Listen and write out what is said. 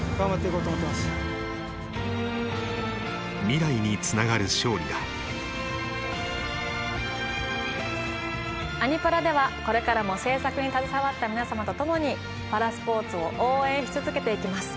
未来につながる勝利だ「アニ×パラ」ではこれからも制作に携わった皆様と共にパラスポーツを応援し続けていきます。